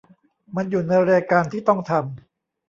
มันอยู่ในรายการที่ต้องทำ